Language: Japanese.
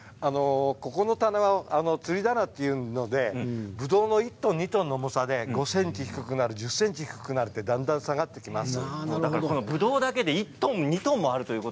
ここの棚はつり棚というのでぶどうの１トン２トンの話で５ｃｍ低くなる、１０ｃｍ低くなる、だんだん低くなってきます。